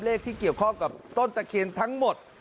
เลขที่เกี่ยวข้องกับต้นตะเคียนทั้งหมด